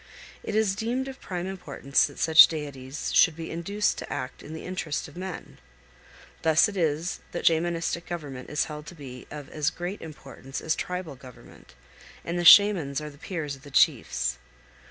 It is deemed of prime importance that such deities should be induced to act in the interest of men. Thus it is that Shamanistic government is held to be of as great importance as tribal government, and the Shamans are the peers of the chiefs.